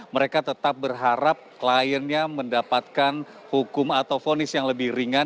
mereka tetap berharap kliennya mendapatkan hukum atau fonis yang lebih ringan